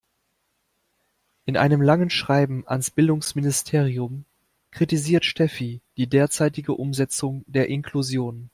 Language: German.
In einem langen Schreiben ans Bildungsministerium kritisiert Steffi die derzeitige Umsetzung der Inklusion.